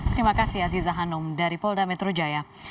terima kasih aziza hanum dari polda metro jaya